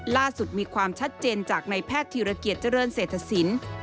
ล่าสุดมีความชัดเจนจากนายแพทย์ธิระเกียจเจริญเศรษฐศิลป์